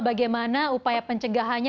bagaimana upaya pencegahannya